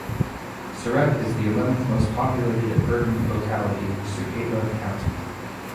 Siret is the eleventh most populated urban locality in Suceava County.